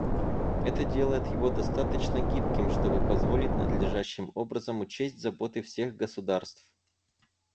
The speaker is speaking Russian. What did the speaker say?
Это делает его достаточно гибким, чтобы позволить надлежащим образом учесть заботы всех государств.